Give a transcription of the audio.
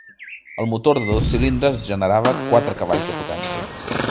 El motor de dos cilindres generava quatre cavalls de potència.